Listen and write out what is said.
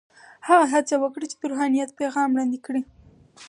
هغه هڅه وکړه چې د روحانیت پیغام وړاندې کړي.